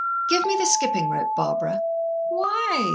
"Give me the skipping rope, Barbara." "Why?"